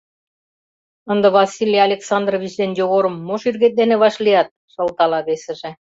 — Ынде Василий Александрович ден Йогорым мо шӱргет дене вашлият? — шылтала весыже.